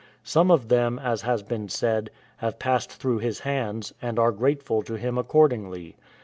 "" Some of them, as has been said, have passed through his hands, and are grateful to him accordingly.